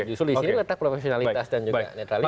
justru di sini letak profesionalitas dan juga netralitas